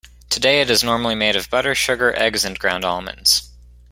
Today it is normally made of butter, sugar, eggs, and ground almonds.